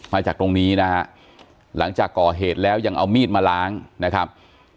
มาจากตรงนี้นะฮะหลังจากก่อเหตุแล้วยังเอามีดมาล้างนะครับ